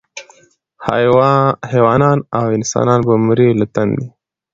حیوانان او انسانان به مري له تندي